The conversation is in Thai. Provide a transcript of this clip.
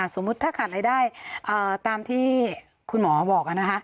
สมมุติถ้าขาดรายได้ตามที่คุณหมอบอกนะคะ